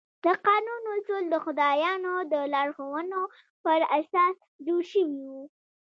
د قانون اصول د خدایانو د لارښوونو پر اساس جوړ شوي وو.